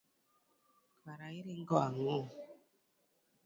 Kare iringo ang'o.